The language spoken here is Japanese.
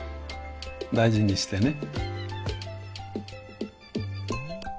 大事にしてね。